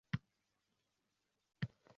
-His qilaman, — dedi u nihoyat.